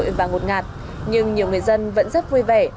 trời trội và ngột ngạt nhưng nhiều người dân vẫn rất vui vẻ